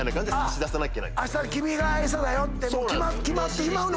「あした君が餌だよ」って決まってしまうのか。